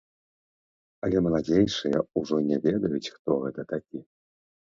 Але маладзейшыя ўжо не ведаюць, хто гэта такі.